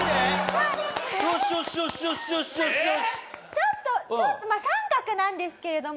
ちょっとちょっとまあ三角なんですけれども。